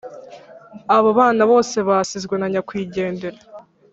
Abobana bose basizwe nanyakwigendera